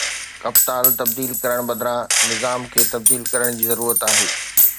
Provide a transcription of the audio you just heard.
ڪپتان تبديل ڪرڻ بدران نظام کي تبديل ڪرڻ جي ضرورت آهي